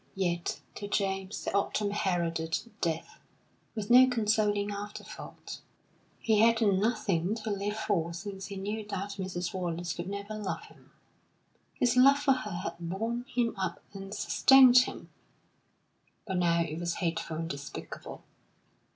Yet to James the autumn heralded death, with no consoling afterthought. He had nothing to live for since he knew that Mrs. Wallace could never love him. His love for her had borne him up and sustained him; but now it was hateful and despicable.